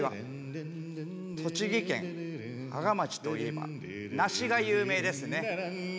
栃木県芳賀町といえば梨が有名ですね。